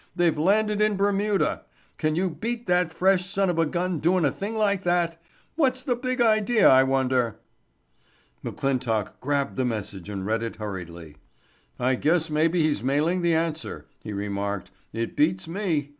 "They've landed in Bermuda. Can you beat that fresh son of a gun doin' a thing like that? What's the big idea, I wonder?" McClintock grabbed the message and read it hurriedly. "I guess maybe he's mailing the answer," he remarked. "It beats me.